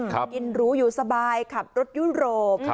กินหรูอยู่สบายขับรถยุโรป